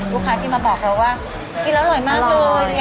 ลูกค้าที่มาบอกเราว่ากินแล้วอร่อยมากเลย